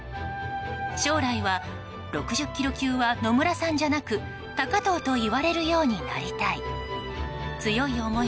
将来は６０ｋｇ級は野村さんじゃなく高藤といわれるようになりたい。